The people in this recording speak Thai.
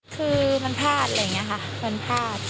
คือมันพลาดอะไรอย่างนี้ค่ะมันพลาด